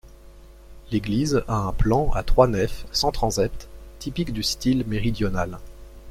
L'église a un plan à trois nefs sans transept, typique du style méridional.